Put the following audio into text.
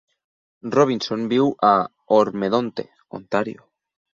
Robinson viu a Or-Medonte, Ontario.